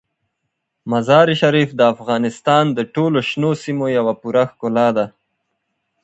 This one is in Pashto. مزارشریف د افغانستان د ټولو شنو سیمو یوه پوره ښکلا ده.